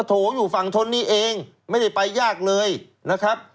โถงอยู่ฝั่งทนนี้เองไม่ได้ไปยากเลยนะครับ